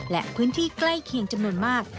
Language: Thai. และพื้นที่ใกล้เคียงจำนวนมาก